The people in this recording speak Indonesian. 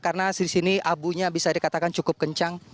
karena di sini abunya bisa dikatakan cukup kencang